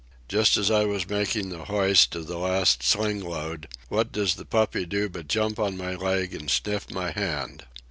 Just as I was making the hoist of the last sling load, what does the puppy do but jump on my leg and sniff my hand.